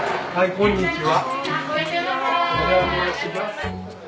こんにちは。